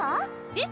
えっ？